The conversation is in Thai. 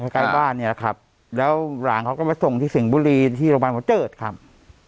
ใกล้บ้านเนี่ยแหละครับแล้วหลานเขาก็มาส่งที่สิงห์บุรีที่โรงพยาบาลหัวเจิดครับ